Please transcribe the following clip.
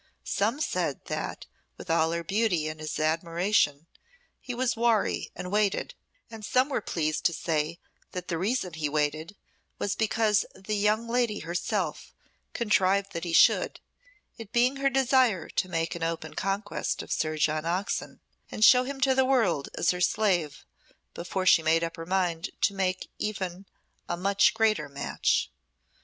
Some said that, with all her beauty and his admiration, he was wary and waited, and some were pleased to say that the reason he waited was because the young lady herself contrived that he should, it being her desire to make an open conquest of Sir John Oxon, and show him to the world as her slave, before she made up her mind to make even a much greater match.